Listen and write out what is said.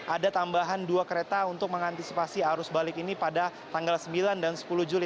ada tambahan dua kereta untuk mengantisipasi arus balik ini pada tanggal sembilan dan sepuluh juli